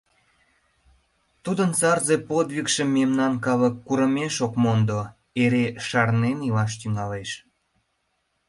Тудын сарзе подвигшым мемнан калык курымеш ок мондо, эре шарнен илаш тӱҥалеш.